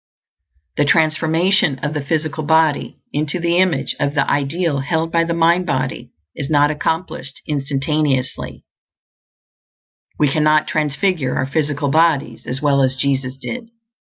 The transformation of the physical body into the image of the ideal held by the mind body is not accomplished instantaneously; we cannot transfigure our physical bodies at will as Jesus did.